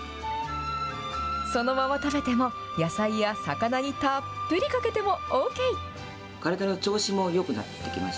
そのまま食べても、野菜や魚にたっぷりかけてもＯＫ。